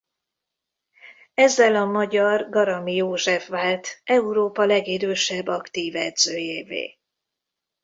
Ezzel a magyar Garami József vált Európa legidősebb aktív edzőjévé.